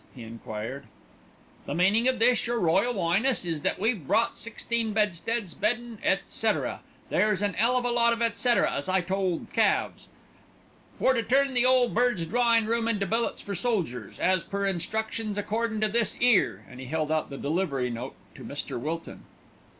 he enquired. "The meanin' of this, Your Royal 'Ighness, is that we've brought sixteen bedsteads, beddin', etcetera, there's an 'ell of a lot of etcetera, as I told Calves, for to turn the Ole Bird's drawin' room into billets for soldiers, as per instructions accordin' to this 'ere;" and he held out the delivery note to Mr. Wilton.